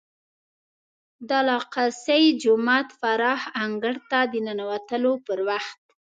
د الاقصی جومات پراخ انګړ ته د ننوتلو پر وخت.